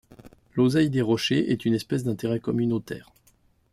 L'Oseille des rochers est une espèce d'intérêt communautaire.